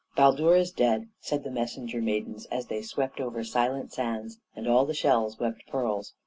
"Baldur is dead!" said the messenger maidens as they swept over silent sands; and all the shells wept pearls.